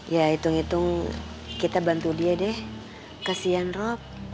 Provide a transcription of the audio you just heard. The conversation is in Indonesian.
ya hitung hitung kita bantu dia deh kasihan rob